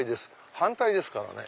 反対ですからね